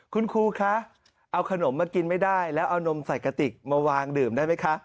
คุณครูคะเอาขนมมากินไม่ได้แล้วเอานมใส่กระติกมาวางดื่มได้ไหมคะ